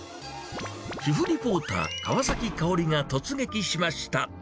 主婦リポーター、川崎かおりが突撃しました。